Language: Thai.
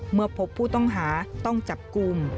เมื่อพบผู้ต้องหาต้องจับกลุ่ม